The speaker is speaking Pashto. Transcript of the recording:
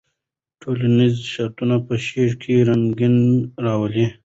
ټولنیز شرایط په شعر کې رنګارنګي راولي.